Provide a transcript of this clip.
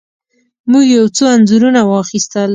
موږ یو څو انځورونه واخیستل.